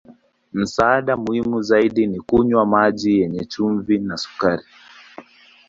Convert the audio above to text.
Msaada muhimu zaidi ni kunywa maji yenye chumvi na sukari.